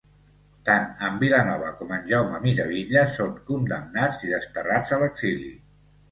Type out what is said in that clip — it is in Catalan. Tant en Vilanova com en Jaume Miravitlles són condemnats i desterrats a l'exili.